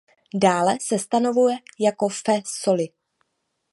Dále se stanovuje jako Fe soli.